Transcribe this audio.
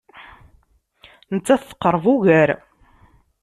Nettat teqreb ugar.